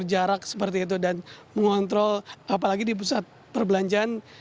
jarak seperti itu dan mengontrol apalagi di pusat perbelanjaan